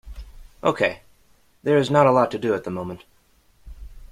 Okay, there is not a lot to do at the moment.